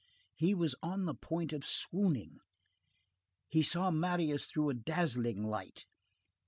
He was on the point of swooning; he saw Marius through a dazzling light.